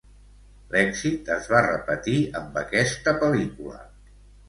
L'èxit es va repetir amb aquesta pel·lícula.